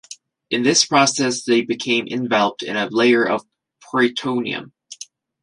In this process they become enveloped in a layer of peritoneum.